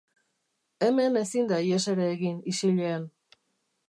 Hemen ezin da ihes ere egin isilean.